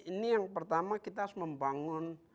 ini yang pertama kita harus membangun